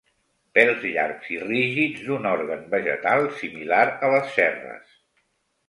Pèls llargs i rígids d'un òrgan vegetal similars a les cerres.